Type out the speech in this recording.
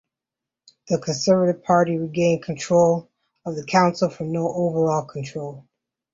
The Conservative Party regained control of the council from no overall control.